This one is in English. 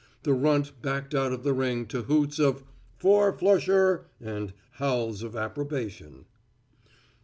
The Runt backed out of the ring to hoots of "fourflusher" and howls of approbation.